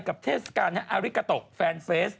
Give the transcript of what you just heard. เทศกาลอาริกาโตแฟนเฟส